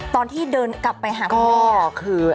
ตอนที่เดินกลับไปหาพระเมีย